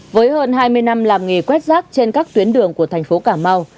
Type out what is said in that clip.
với hơn hai mươi năm làm nghề quét rác trên các tuyến đường của thành phố cà mau